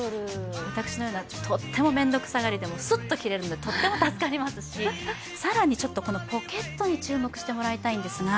私のような、とってもめんどくさがりでもすっと着られるのでとっても助かりますし、更にこのポケットに注目してもらいたいんですが。